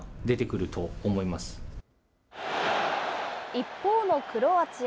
一方のクロアチア。